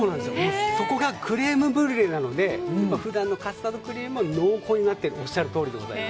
そこがクレームブリュレなので普段のカスタードクリームより濃厚になっています。